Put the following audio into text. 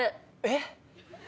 えっ？